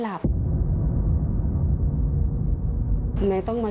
คุณแม่คนนี้